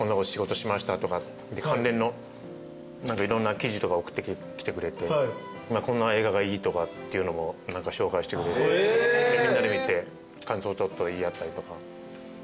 関連のいろんな記事とか送ってきてくれて「こんな映画がいい」とかっていうのも紹介してくれてみんなで見て感想言い合ったりとか。